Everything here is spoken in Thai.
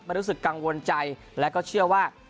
รู้สึกกังวลใจและก็เชื่อว่า